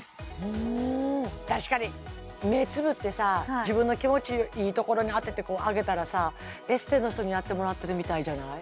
うん確かに目つぶってさ自分の気持ちいいところに当ててあげたらさエステの人にやってもらってるみたいじゃない？